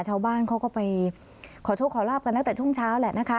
ชาวบ้านเขาก็ไปขอโชคขอลาบกันตั้งแต่ช่วงเช้าแหละนะคะ